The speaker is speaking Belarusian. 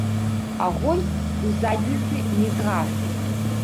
Агонь ў задніцы не згас.